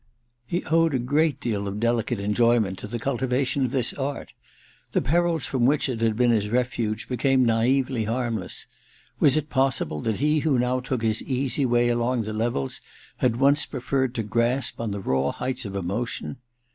He owed a great deal of delicate enjoyment to the cultivation of this art. The penis from which it had been his refuge became naively harmless : was it possible that he who now took his easy way along the levels had once preferred to gasp on the raw heights of emotion